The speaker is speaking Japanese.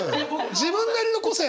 自分なりの個性！